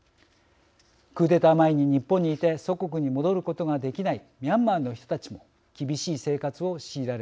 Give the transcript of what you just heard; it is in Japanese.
クーデター前に日本にいて祖国に戻ることができないミャンマーの人たちも厳しい生活を強いられています。